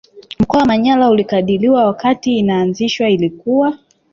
Mkoa wa manyara ulikadiriwa wakati inaazishwa ilikuwa